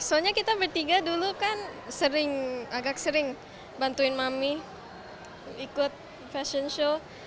soalnya kita bertiga dulu kan sering agak sering bantuin mami ikut fashion show